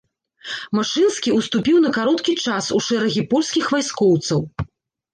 Машынскі ўступіў на кароткі час у шэрагі польскіх вайскоўцаў.